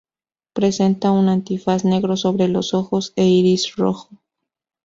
Presenta un antifaz negro sobre los ojos e iris rojo.